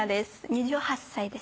２８歳です